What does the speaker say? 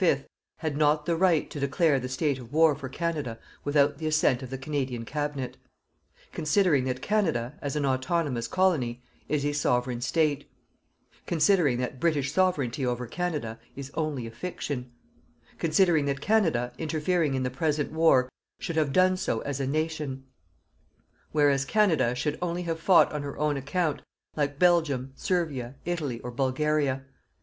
had not the right to declare the state of war for Canada without the assent of the Canadian Cabinet; "Considering that Canada, as an autonomous colony, is a Sovereign State; "Considering that British Sovereignty over Canada is only a fiction; "Considering that Canada, interfering in the present war, should have done so as a Nation; "Whereas Canada should only have fought on her own account, like Belgium, Servia, Italy or Bulgaria.